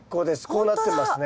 こうなってますね。